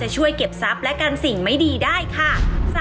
ช่วยเก็บทรัพย์และกันสิ่งไม่ดีได้ค่ะ